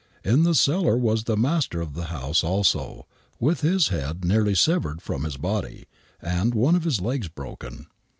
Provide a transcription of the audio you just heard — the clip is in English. In the cellar was the master of the house also, with his head nearly severed from his body, and one of his legs broken.